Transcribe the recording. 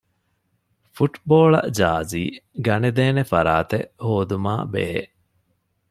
ފުޓްބޯޅަ ޖާރޒީ ގަނެދޭނެ ފަރާތެއް ހޯދުމާބެހޭ